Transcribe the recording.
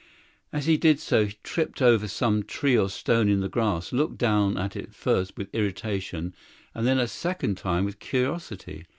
As he did so he tripped over some tree or stone in the grass; looked down at it first with irritation and then a second time with curiosity.